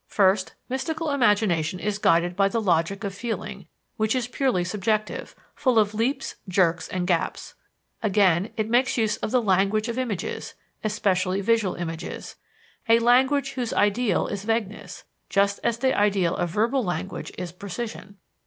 First, mystical imagination is guided by the logic of feeling, which is purely subjective, full of leaps, jerks, and gaps. Again, it makes use of the language of images, especially visual images a language whose ideal is vagueness, just as the ideal of verbal language is precision.